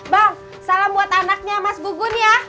bang salam buat anaknya mas gugun ya